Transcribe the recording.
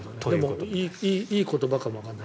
いい言葉かもわからない。